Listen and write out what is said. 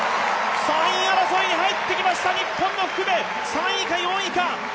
３位争いに入ってきました、日本の福部、３位か４位か。